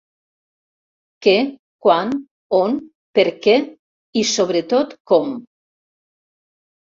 Què, quan, on, per què i sobretot com.